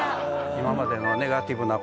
今までのネガティブな